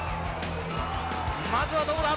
まずはどうだ？